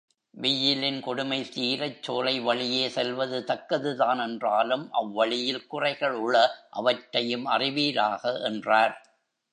வெய்யிலின் கொடுமை தீரச் சோலை வழியே செல்வது தக்கதுதான் என்றாலும் அவ்வழியில் குறைகள் உள அவற்றையும் அறிவீராக என்றார்.